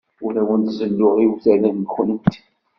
Ur awent-zelluɣ iwtal-nwent.